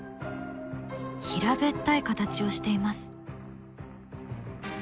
平べったい形をしています。